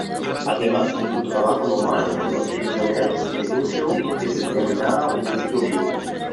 Además de su trabajo normal con los prisioneros, negoció que se terminara un disturbio.